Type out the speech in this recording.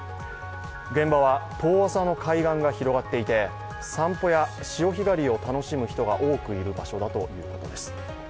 現場は遠浅の海岸が広がっていて、散歩や潮干狩りを楽しむ人が多くいる場所だということです。